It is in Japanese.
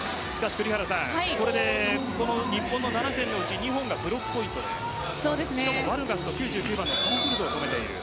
これで日本の７点のうち２本のブロックポイントしかもバルガスと９９番のカラクルトを止めている。